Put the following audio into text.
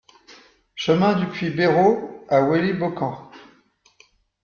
Chemin du Puits Bérault à Wailly-Beaucamp